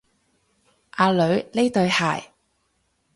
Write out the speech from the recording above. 阿女，呢對鞋